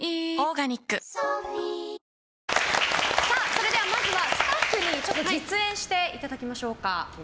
それでは、まずはスタッフに実演していただきましょうか。